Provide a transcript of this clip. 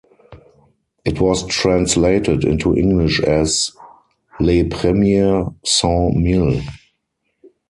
It was translated into French as "Les Premiers Cent Mille".